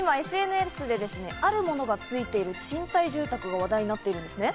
今、ＳＮＳであるものがついている賃貸住宅が話題になっているんですね。